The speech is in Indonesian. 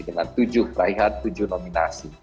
dengan tujuh peraihan tujuh nominasi